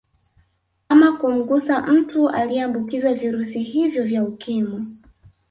Ama kumgusa mtu aliyeambukizwa virusi hivyo vya ukimwi